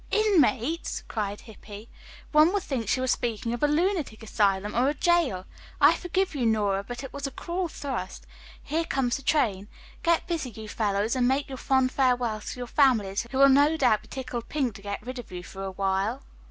"Inmates!" cried Hippy. "One would think she was speaking of a lunatic asylum or a jail. I forgive you, Nora, but it was a cruel thrust. Here comes the train. Get busy, you fellows, and make your fond farewells to your families, who will no doubt be tickled pink to get rid of you for a while."